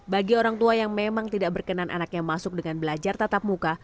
bagi orang tua yang memang tidak berkenan anaknya masuk dengan belajar tatap muka